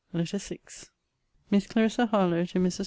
LETTER VI MISS CLARISSA HARLOWE, TO MRS.